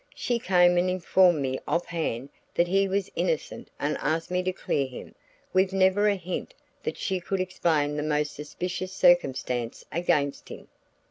She came and informed me off hand that he was innocent and asked me to clear him, with never a hint that she could explain the most suspicious circumstance against him."